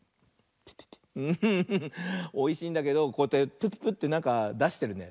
おいしいんだけどこうやってプップップッてなんかだしてるね。